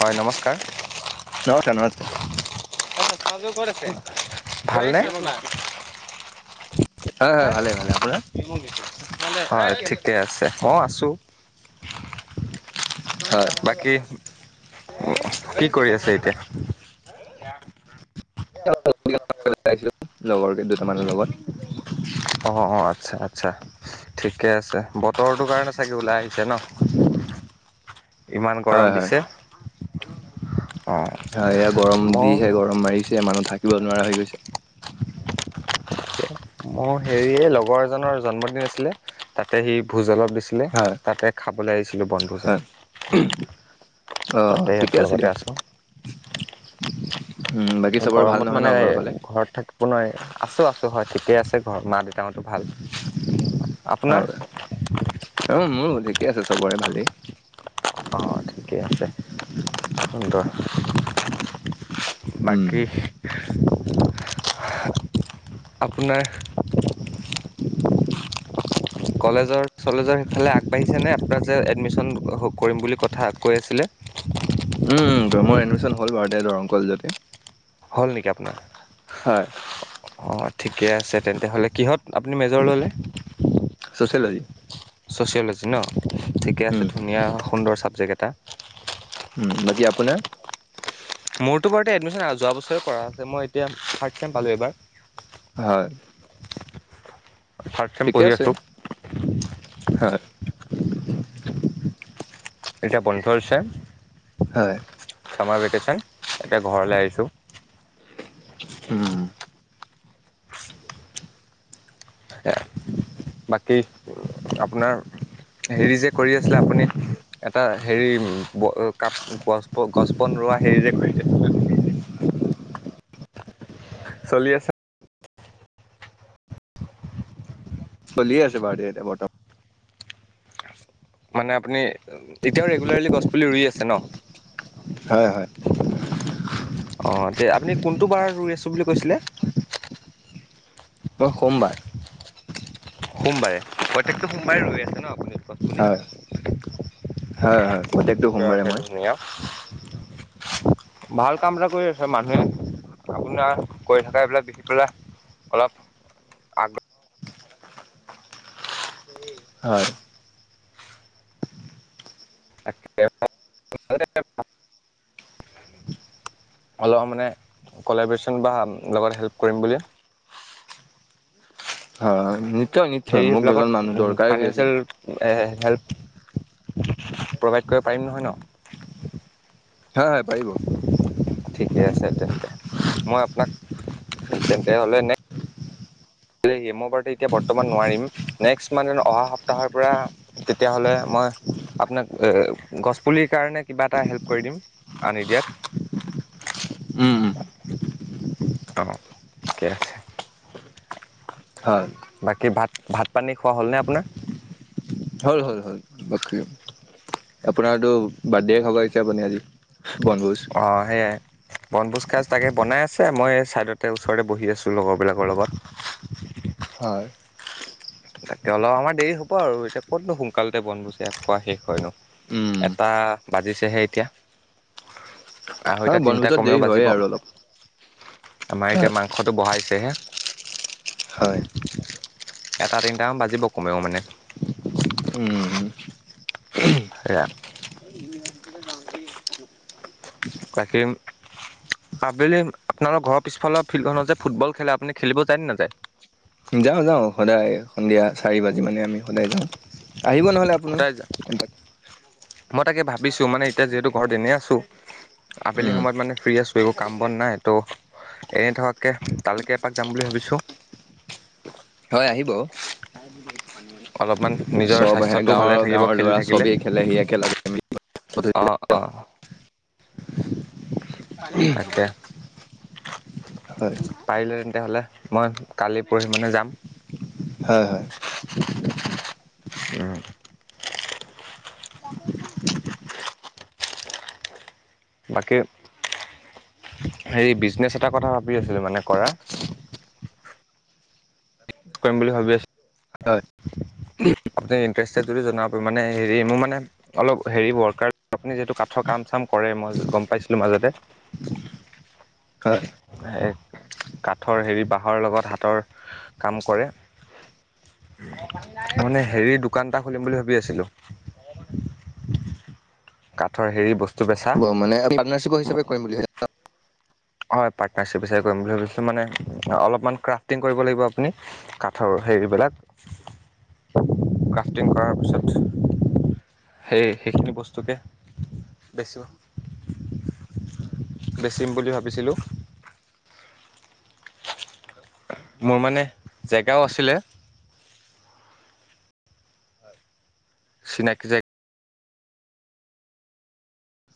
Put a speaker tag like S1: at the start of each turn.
S1: হয় নমস্কাৰ।
S2: নমস্কাৰ নমস্কাৰ।
S1: কত আছে ভাল নে।
S2: হয় হয় ভালে ভালে আপোনাৰ
S1: হয় ঠিকে আছে ময়ো আছো।
S2: হয়
S1: বাকী কি কৰি আছে এতিয়া। এয়া।
S2: [unintelligible] লগৰ এই দুটামানৰ লগত
S1: অ অ আচ্ছা আচ্ছা ঠিকে আছে বতৰটো কাৰণে চাগে ওলাই আহিছে ন। ইমান গৰম
S2: হয় হয়
S1: দিছে। অ',
S2: হয় এয়া গৰম
S1: ময়ো
S2: যিহে গৰম মাৰিছে মানুহ থাকে। ব নোৱাৰা হৈ গৈছে।
S1: অ হেৰিয়ে লগৰ এজনৰ জন্মদিন আছিলে তাতে সি ভোজ অলপ। দিছিলে
S2: হয়
S1: তাতে খাবলে আহিছিলো বনভোজত।
S2: আহ
S1: তাতে
S2: ঠিকে
S1: সিহঁতৰ
S2: আছে
S1: লগতে
S2: দিয়ক।
S1: আছোঁ।
S2: উম বাকী
S1: এই
S2: চবৰে ভাল
S1: গৰমত
S2: নহয় ন
S1: মানে
S2: ঘৰৰ ফালে
S1: ঘৰত থাকিব নোৱাৰি আছো আছো হয় ঠিকে আছে ঘ মা দেউ। তা হতো ভাল আপোনাৰ।
S2: হয় অ মোৰো ঠিকে আছে চবৰে ভালেই।
S1: অঁ ঠিকে আছে [unintelligible]
S2: উম
S1: বাকী [unintelligible] আপোনাৰ। কলেজৰ চলেজৰ সেইফালে আগবাঢ়িছে নে আপোনাৰ যে এডমিছন কৰিম বুলি কথা কৈ আছিলে। দে [unintelligible]
S2: উম মোৰ এডমিশ্যন হ'ল বাৰু এতিয়া দৰং কলেজতে।
S1: হল নেকি আপোনাৰ।
S2: হয়।
S1: অ', ঠিকে আছে তেন্তে হ'লে কিহত আপুনি মেজৰ ল'লে।
S2: ছ'চিয়লজি
S1: চচিয়েলজি ন ঠিকে আছে
S2: উম
S1: ধুনীয়া সুন্দৰ চা। জেগএটা।
S2: উম বাকী আপোনাৰ
S1: মোৰতো বাৰু এতিয়া এডমিশ্যন আহ যোৱা বছৰে কৰা আছে মই এতিয়া থাৰ্ড চেম পালোঁ এই বাৰ।
S2: হয়।
S1: থাৰ্ড চেম
S2: ঠিকে
S1: পঢ়ি
S2: আছে
S1: আছোঁ।
S2: হয়
S1: এতিয়া বন্ধ হৈছে।
S2: হয়।
S1: চামাৰ ভেকেচন তাকে ঘৰলৈ আহিছো।
S2: উম
S1: [unintelligible] বাকী আপোনাৰ। হেৰি যে কৰি আছিলে আপুনি। এটা হেৰি কাপ গছ গছ বন ৰোৱা হেৰি যে কৰি আছিল। [unintelligible] চলি আছে।
S2: চলিয়ে আছে বাৰু এতিয়া বৰ্তমান।
S1: মানে আপুনি এতিয়াও ৰেগুলাৰলি গছপুলি ৰুই আছে ন।
S2: হয় হয়
S1: অ এয়া আপুনি কোনটো বাৰ ৰুই আছো বুলি কৈছিলে?
S2: অ সোমবাৰ।
S1: সোমবাৰে প্ৰত্যয়েকটো সোমবাৰে ৰুই আছে ন আপুনি গছ পুলি?
S2: হয়-হয় প্ৰত্যেকটো সোমবাৰে মই
S1: ধুনীয়া ভাল কাম এটা কৰি আছে মানুহে আপোনাৰ কৰি থকাই এইবিলাক দেখি পেলাই অলপ আগ্ৰহ
S2: হয়।
S1: [unintelligible] অলপ মানে কলেব্ৰেচন বা লগত হেল্প কৰিম বুলি
S2: নিশ্চয় নিশ্চয় মোক এজন
S1: হেৰিবিলাকত
S2: মানুহ দৰকাৰী হৈ আছিল
S1: ফাইনেন্সিয়েল এ হেল্প প্ৰভাইড কৰিব পাৰিম নহয় ন?
S2: হয় হয় পাৰিব
S1: ঠিকে আছে তেন্তে মই আপোনাক তেন্তে হ'লে নে মই বাৰু এতিয়া বৰ্তমান নোৱাৰিম নেক্সট মাহত অহা সপ্তাহৰ পৰা তেতিয়াহ'লে মই আপোনাক এ গছপুলিৰ কাৰণে কিবা এটা হেল্প কৰি দিম আনি দিয়াত।
S2: উম।
S1: অ ঠিকে আছে।
S2: হয়
S1: বাকী ভাত-ভাত পানী খোৱা হ'লনে আপোনাৰ?
S2: হ'ল-হ'ল-হ'ল বাকী আপোনাৰতো বাৰ্ডে খাব আহিছে আপুনি আজি? বনভোজ
S1: অ সেইয়াই। বনভোজ খাজ তাকে বনাই আছে মই ছাইডতে ওচৰতে বহি আছোঁ লগৰবিলাকৰ লগত।
S2: হয়।
S1: তাকে অলপ আমাৰ দেৰি হ'ব আৰু এতিয়া ক'তনো সোনকালতে বনভোজ এয়া খোৱা শেষ হয় নো।
S2: উম
S1: এটা বাজিছেহে এতিয়া।
S2: হয়
S1: আঢ়ৈটা তিনিটা
S2: বনভোজত দেৰি
S1: কমেও
S2: হয়ে
S1: বাজিব।
S2: আৰু অলপ
S1: আমাৰ এতিয়া মাংসটো বহাইছেহে।
S2: হয়
S1: এটা তিনিটামান বাজিব কমেও মানে।
S2: উম
S1: সেয়া। তাকীম। আবেলি আপোনালোকৰ ঘৰৰ পিছফালৰ ফিল্ডখনত যে ফুটবল খেলে আপুনি খেলিব যায়নে নাযায়?
S2: যাওঁ-যাওঁ সদায় সন্ধিয়া চাৰি বাজি মানে আমি সদায় যাওঁ। আহিব নহলে
S1: সদায় যায়
S2: আপোনালোক৷
S1: মই তাকে ভাবিছো মানে এতিয়া যিহেতু ঘৰত এনেই আছো আবেলি
S2: উম
S1: সময়ত মানে ফ্ৰী আছো একো কাম বন নাই ত'। এনে থকাকে তালৈকে এপাক যাম বুলি ভাবিছো।
S2: হয় আহিব।
S1: অলপমান নিজৰ
S2: চব আহে
S1: স্বাস্থ্যটোও ভালে থাকিব
S2: গাঁৱৰ-গাঁৱৰ ল'ৰা চবেই খেলেহি একেলগে আমি
S1: অঁ-অঁ।
S2: উ।
S1: পাৰিলে তেন্তে হলে মই কালি পৰহি মানে যাম।
S2: হয়-হয়।
S1: উম। বাকী হেৰি বিজনেছ এটা কথা ভাবি আছিলো মানে কৰা। কৰিম বুলি ভাবি আছি
S2: হয়।
S1: [inaudible] আপুনি ইণ্টাৰেষ্টেড যদি জনাব মানে হেৰি মোৰ মানে অলপ হেৰি ৱৰ্কাৰ আপুনি যিহেতু কাঠৰ কাম চাম কৰে মই গম পাইছিলোঁ মাজতে। এ
S2: হয়
S1: কাঠৰ হেৰি বাঁহৰ লগত হাতৰ কাম কৰে। মানে হেৰি দোকান এটা খুলিম বুলি ভাবি আছিলো। কাঠৰ হেৰি বস্তু বেচা
S2: মানে পাৰ্টনাৰশ্বিপ হিচাপ কৰিম বুলি
S1: হয়, পাৰ্টনাৰশ্বিপ বিচাৰি কৰিম বুলি ভাবিছিলো মানে অলপমান ক্ৰাফটিং কৰিব লাগিব আপুনি কাঠৰ হেৰিবিলাক ক্ৰাফ্টিং কৰাৰ পিছত সেই সেইখিনি বস্তুকে বেছো। বেচিম বুলি ভাবিছিলোঁ। মোৰ মানে জেগাও আছিলে চিনাকি জেগ